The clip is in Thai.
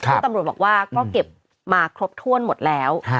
ซึ่งตำรวจบอกว่าก็เก็บมาครบถ้วนหมดแล้ว